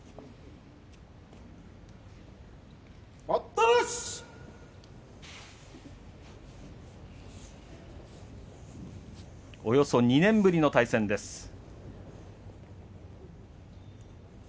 およそ２年ぶりの対戦です。